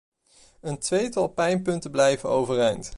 Een tweetal pijnpunten blijven overeind.